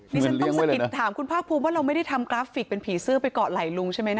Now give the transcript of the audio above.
ดิฉันต้องสะกิดถามคุณภาคภูมิว่าเราไม่ได้ทำกราฟิกเป็นผีเสื้อไปเกาะไหล่ลุงใช่ไหมนะ